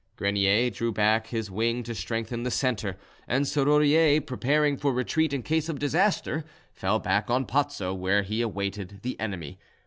Grenier drew back his wing to strengthen the centre, and Serrurier, preparing for retreat in case of disaster, fell back on Pozzo, where he awaited the enemy.